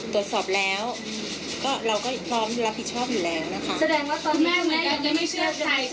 ตรวจสอบแล้วเราก็รอบรับผิดชอบอยู่แหลงนะคะ